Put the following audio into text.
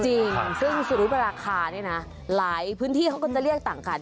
จริงซึ่งสุริปราคาเนี่ยนะหลายพื้นที่เขาก็จะเรียกต่างกัน